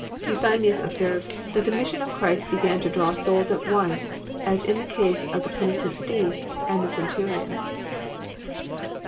Euthymius observes that the mission of Christ began to draw souls at once, as in the case of the penitent thief and the cen turion.